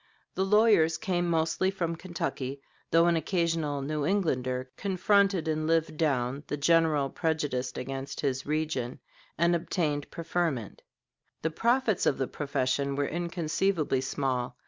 The lawyers came mostly from Kentucky, though an occasional New Englander confronted and lived down the general prejudice against his region and obtained preferment. The profits of the profession were inconceivably small.